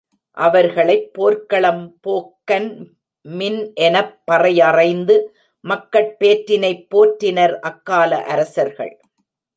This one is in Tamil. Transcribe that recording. அவர்களைப் போர்க்களம் போக்கன் மின், எனப் பறையறைந்து மக்கட் பேற்றினைப் போற்றினர் அக்கால அரசர்கள்.